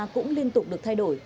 cũng liên tục được thay đổi